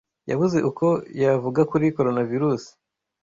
Yabuze uko yavuga kuri Coronavirusi.